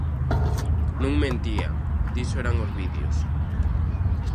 Non mentían, Diso eran os vídeos.